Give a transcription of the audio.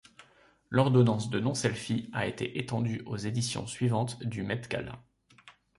L'ordonnance de non-selfie a été étendue aux éditions suivantes du Met Gala.